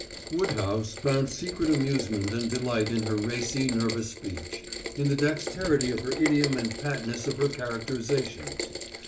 Woodhouse found secret amusement and delight in her racy nervous speech, in the dexterity of her idiom and patness of her characterizations.